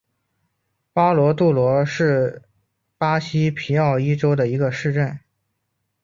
巴罗杜罗是巴西皮奥伊州的一个市镇。